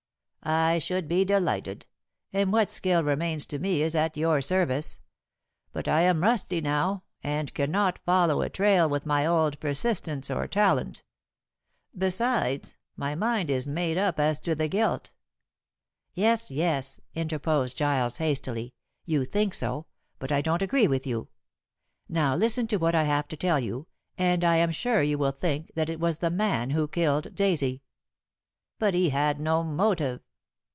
"I should be delighted, and what skill remains to me is at your service. But I am rusty now, and cannot follow a trail with my old persistence or talent. Besides, my mind is made up as to the guilt " "Yes, yes," interposed Giles hastily, "you think so, but I don't agree with you. Now listen to what I have to tell you, and I am sure you will think that it was the man who killed Daisy." "But he had no motive."